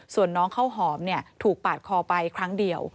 ส่วนน้องข้าวหอมถูกปาดคอไปครั้งเดียว